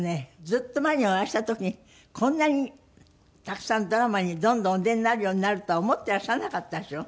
ずっと前にお会いした時こんなにたくさんドラマにどんどんお出になるようになるとは思っていらっしゃらなかったでしょ？